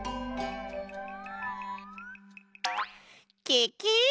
ケケ！